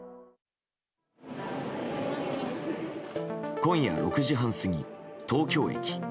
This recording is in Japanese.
今夜６時半過ぎ、東京駅。